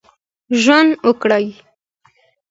ژوند وکړي.